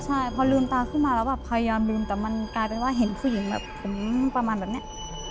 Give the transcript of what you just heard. ใช่พอลืมตาขึ้นมาแล้วแบบพยายามลืมแต่มันกลายเป็นว่าเห็นผู้หญิงแบบผมประมาณแบบเนี้ย